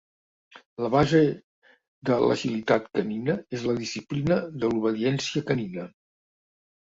La base de l'agilitat canina és la disciplina de l'obediència canina.